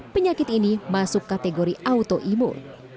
penyakit ini masuk kategori autoimun